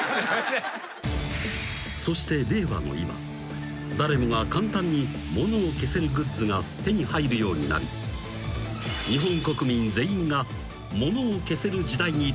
［そして令和の今誰もが簡単にものを消せるグッズが手に入るようになり日本国民全員がものを消せる時代に突入した］